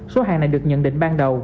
số hàng này được nhận định ban đầu